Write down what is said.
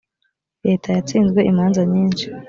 leta yatsinzwe imanza nyinshi